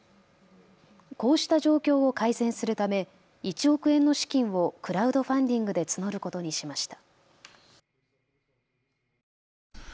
こうした状況を改善するため１億円の資金をクラウドファンディングで募ることにしました。